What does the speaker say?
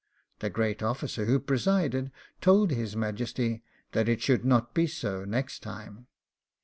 'The great officer who presided told his Majesty that 'it should not be so next time.